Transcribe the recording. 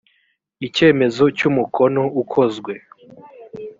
icyemezo cy umukono ukozwe